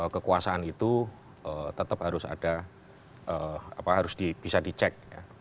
kekuasaan itu tetap harus ada apa harus bisa dicek